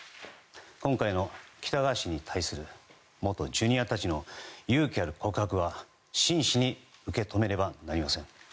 今回の北川氏に対する元Ｊｒ．たちの勇気ある告白は真摯に受け止めねばなりません。